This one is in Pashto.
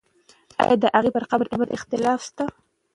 آیا د هغې پر قبر اختلاف شته؟